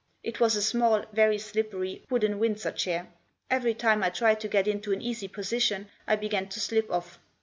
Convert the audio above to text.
It was a small, very slippery, wooden Windsor chair ; every time I tried to get into an easy position I began to slip off.